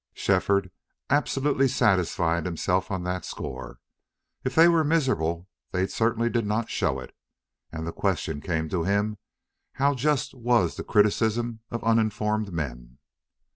Shefford absolutely satisfied himself on that score. If they were miserable they certainly did not show it, and the question came to him how just was the criticism of uninformed men?